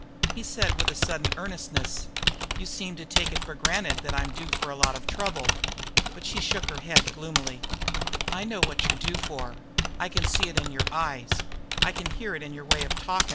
He said with a sudden earnestness: "You seem to take it for granted that I'm due for a lot of trouble." But she shook her head gloomily. "I know what you're due for; I can see it in your eyes; I can hear it in your way of talkin'.